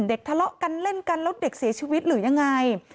ทะเลาะกันเล่นกันแล้วเด็กเสียชีวิตหรือยังไง